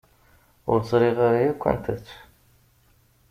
Ur ẓriɣ ara yakk anta-tt.